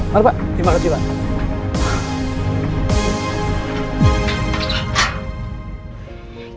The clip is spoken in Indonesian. mari pak terima kasih pak